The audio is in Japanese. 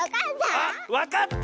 あっわかった！